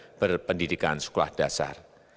sehingga perlu mendorong penciptaan lapangan kerja baru